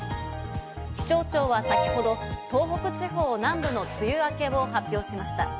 気象庁は先ほど、東北地方南部の梅雨明けを発表しました。